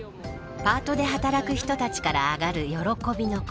パートで働く人たちから上がる喜びの声。